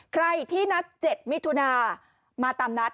ใครที่นัด๗มิถุนามาตามนัด